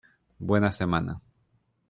Buena semana.